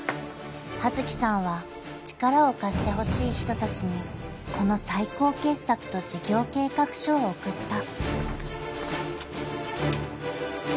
［葉月さんは力を貸してほしい人たちにこの最高傑作と事業計画書を送った］